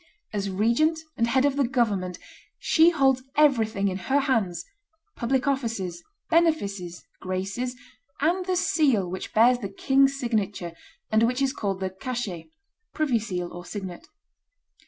As regent and head of the government, she holds everything in her hands, public offices, benefices, graces, and the seal which bears the king's signature, and which is called the cachet (privy seal or signet).